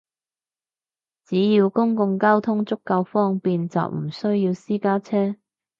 只要公共交通足夠方便，就唔需要私家車